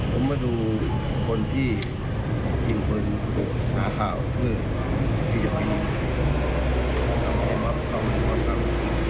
ผมมาดูคนที่ยิงปืนหาข้าวเมื่อที่จะปี